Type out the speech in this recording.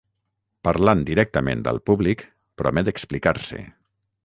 Parlant directament al públic, promet explicar-se.